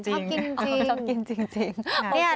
ชอบกินจริง